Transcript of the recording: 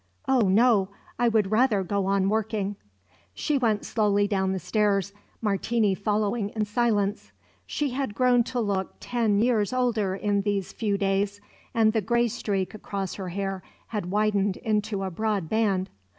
"Oh, no! I would rather go on working." She went slowly down the stairs, Martini following in silence. She had grown to look ten years older in these few days, and the gray streak across her hair had widened into a broad band.